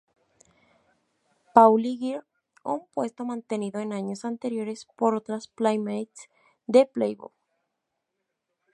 Pauli Girl, un puesto mantenido en años anteriores por otras Playmates de "Playboy".